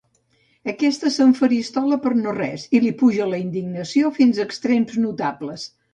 Aquesta s'enfaristola per no res i li puja la indignació fins a extrems notables.